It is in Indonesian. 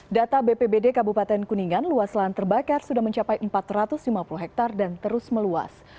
data bpbd kabupaten kuningan luas lahan terbakar sudah mencapai empat ratus lima puluh hektare dan terus meluas